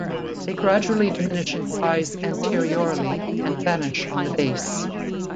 They gradually diminish in size anteriorly and vanish on the base.